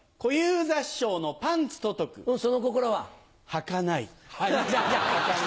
はかない。